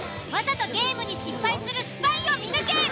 わざとゲームに失敗するスパイを見抜け！